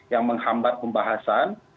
yang menghambat pembahasan